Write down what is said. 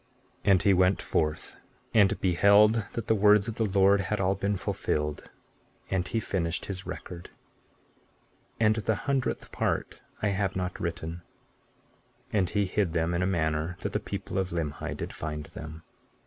And he went forth, and beheld that the words of the Lord had all been fulfilled; and he finished his record; (and the hundredth part I have not written) and he hid them in a manner that the people of Limhi did find them.